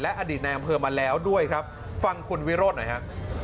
อดีตในอำเภอมาแล้วด้วยครับฟังคุณวิโรธหน่อยฮะ